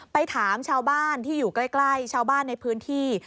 ไปถามชาวบ้านที่อยู่ใกล้ชาวบ้านในพื้นที่